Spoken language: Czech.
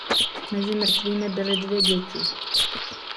Mezi mrtvými byly dvě děti.